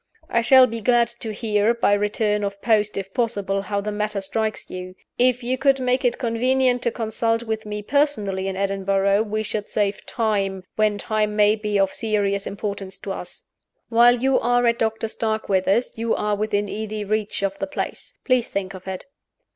I shall be glad to hear, by return of post if possible, how the matter strikes you. If you could make it convenient to consult with me personally in Edinburgh, we should save time, when time may be of serious importance to us. While you are at Doctor Starkweather's you are within easy reach of this place. Please think of it."